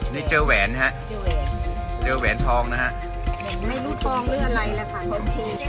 นี่เจอแหวนฮะเจอแหวนแหวนทองนะฮะไม่รู้ทองด้วยอะไรแหละค่ะ